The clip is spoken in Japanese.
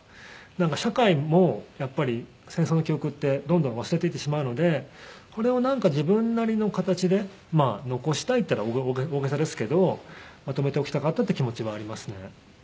なんか社会もやっぱり戦争の記憶ってどんどん忘れていってしまうのでこれを自分なりの形で残したいっていうのは大げさですけどまとめておきたかったっていう気持ちはありますね。